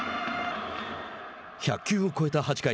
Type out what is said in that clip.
１００球を超えた８回。